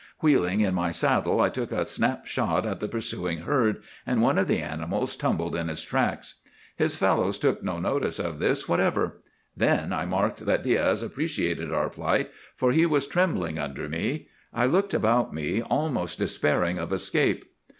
Wheeling in my saddle I took a snap shot at the pursuing herd, and one of the animals tumbled in his tracks. His fellows took no notice of this whatever. Then I marked that Diaz appreciated our plight, for he was trembling under me. I looked about me, almost despairing of escape.